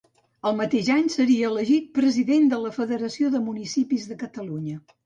El mateix any seria elegit president de la Federació de Municipis de Catalunya.